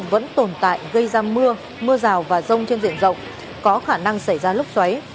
vẫn tồn tại gây ra mưa mưa rào và rông trên diện rộng có khả năng xảy ra lốc xoáy